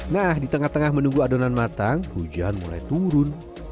nah di tengah tengah menunggu adonan matang hujan mulai turun